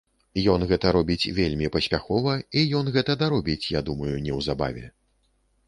Ён гэта робіць вельмі паспяхова, і ён гэта даробіць, я думаю, неўзабаве.